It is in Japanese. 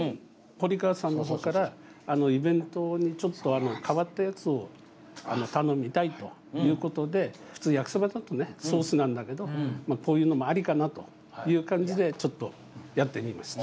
堀川さんのほうからイベントにちょっと変わったやつを頼みたいということで普通焼きそばだとねソースなんだけどこういうのもありかなという感じでちょっとやってみました。